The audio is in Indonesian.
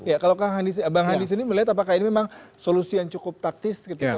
ya kalau kak handi abang handi sendiri melihat apakah ini memang solusi yang cukup taktis gitu kan